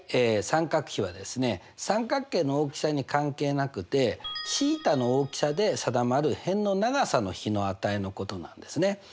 三角比は三角形の大きさに関係なくてθの大きさで定まる辺の長さの比の値のことなんですね。